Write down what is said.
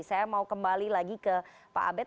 saya mau kembali lagi ke pak abed